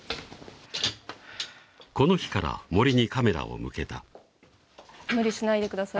この日から森にカメラを向けた無理しないでください